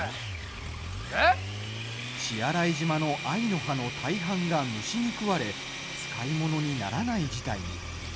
血洗島の藍の葉の大半が虫に食われ使い物にならない事態に。